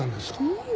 うん。